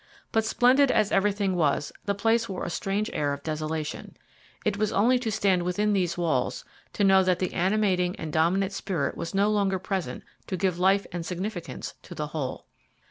But, splendid as everything was, the place wore a strange air of desolation. It was only to stand within these walls to know that the animating and dominant spirit was no longer present to give life and significance to the whole.